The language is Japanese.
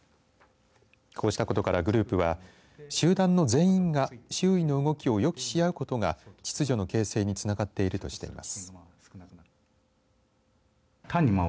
こうしたことからグループは集団の全員が周囲の動きを予期し合うことが秩序の形成につながっているとしています。